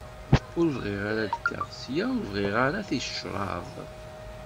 Ur bɣiɣ ara ad d-kkeɣ sya ur bɣiɣ ara ticraḍ.